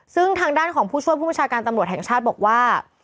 ซึ่งทางด้านของผู้ช่วยผู้บัญชาการตำรวจแห่งชาติบอกว่า